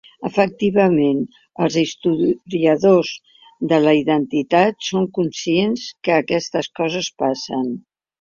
Efectivament, els historiadors de la identitat som conscients que aquestes coses passen.